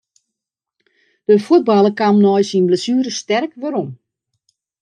De fuotballer kaam nei syn blessuere sterk werom.